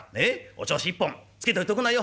お銚子一本つけといておくんなよ！」。